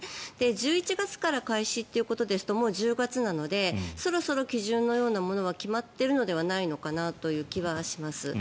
１１月から開始ということですともう１０月なのでそろそろ基準のようなものは決まっているのではないのかなという気はします。